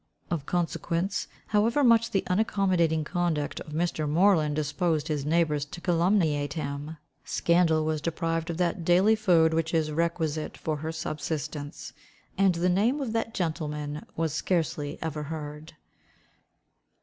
Of consequence, however much the unaccommodating conduct of Mr. Moreland disposed his neighbours to calumniate him, scandal was deprived of that daily food which is requisite for her subsistence, and the name of that gentleman was scarcely ever heard.